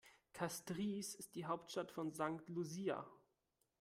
Castries ist die Hauptstadt von St. Lucia.